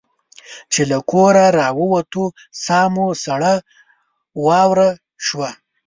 چې له کوره را ووتو ساه مو سړه واوره شوه.